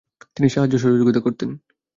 তিনি সাহায্য সহযোগিতা করতেন।